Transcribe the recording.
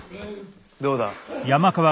どうだ？